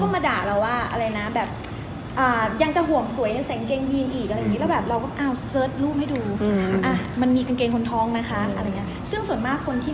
เขาก็มาด่าเราว่าแบบอยากจะห่วงสวยในเก๋งยีนอะไรอย่างนี้